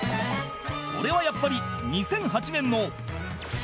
それはやっぱり２００８年の